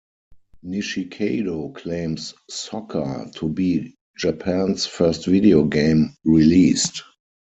Nishikado claims "Soccer" to be "Japan's first video game" released.